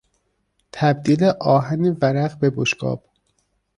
تبدیل آهن ورق به بشقاب